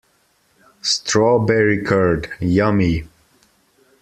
Strawberry curd, yummy!